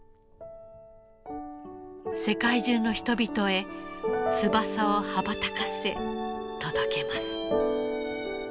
世界中の人々へ翼を羽ばたかせ届けます。